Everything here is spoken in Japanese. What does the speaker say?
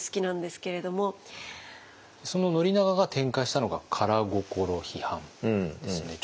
その宣長が展開したのが「漢意」批判ですよね。